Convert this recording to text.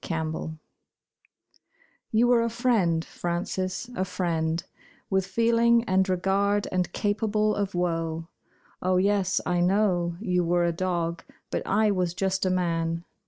FRANCES You were a friend, Frances, a friend, With feeling and regard and capable of woe. Oh, yes, I know you were a dog, but I was just a man.